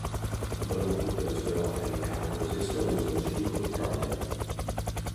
Donò tutte le sue opere in calco e gesso al museo civico di Troia.